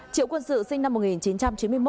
triệu quân sự sinh năm một nghìn chín trăm chín mươi một